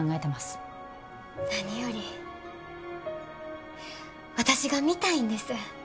何より私が見たいんです。